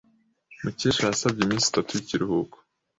Mukesha yasabye iminsi itatu y'ikiruhuko.